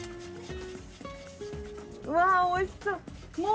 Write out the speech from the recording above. うわおいしそう。